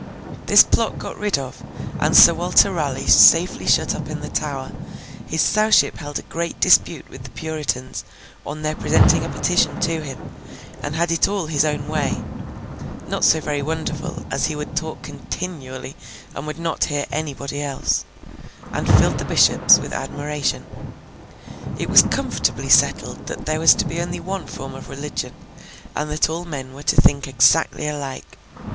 This plot got rid of, and Sir Walter Raleigh safely shut up in the Tower, his Sowship held a great dispute with the Puritans on their presenting a petition to him, and had it all his own way—not so very wonderful, as he would talk continually, and would not hear anybody else—and filled the Bishops with admiration. It was comfortably settled that there was to be only one form of religion, and that all men were to think exactly alike.